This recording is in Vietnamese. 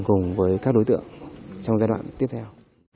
cùng với các đối tượng trong giai đoạn tiếp theo